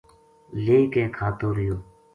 لے کے کھاتو رہیو